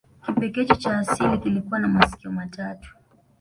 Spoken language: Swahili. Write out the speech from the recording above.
Kipekecho cha asili kilikuwa na masikio matatu